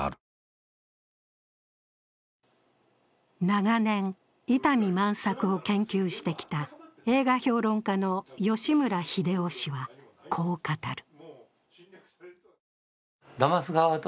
長年、伊丹万作を研究してきた映画評論家の吉村英夫氏はこう語る。